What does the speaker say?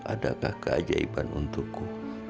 adakah keajaiban untukku